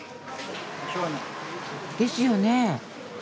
ですよね？